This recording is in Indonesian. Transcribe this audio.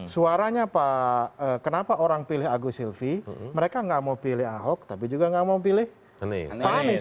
suaranya pak kenapa orang pilih agus silvi mereka nggak mau pilih ahok tapi juga nggak mau pilih pak anies